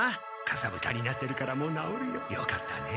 「かさぶたになってるからもうなおるよ。よかったね」。